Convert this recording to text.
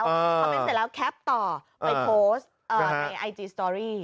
คอมเมนต์เสร็จแล้วแคปต่อไปโพสต์ในไอจีสตอรี่